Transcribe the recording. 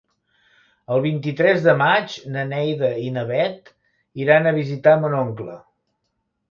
El vint-i-tres de maig na Neida i na Bet iran a visitar mon oncle.